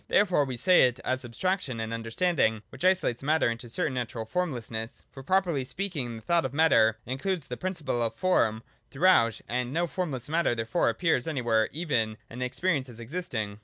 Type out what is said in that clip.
Therefore we say it is an abstraction of the understanding which isolates matter into a certain natural formlessness. For properly speaking the thought of matter includes the principle of form through out, and no formless matter therefore appears anywhere 128 I30.J MATTER AND FORM. 237 even in experience as existing.